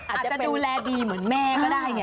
อาจจะดูแลดีเหมือนแม่ก็ได้ไง